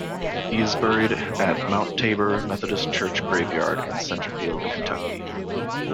He is buried at Mount Tabor Methodist Church Graveyard in Centerfield, Kentucky.